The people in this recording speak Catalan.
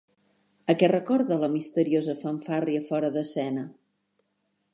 A què recorda la misteriosa fanfàrria fora d'escena?